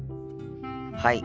はい。